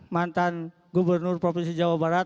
mantan gubernur provinsi jawa barat